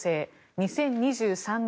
２０２３年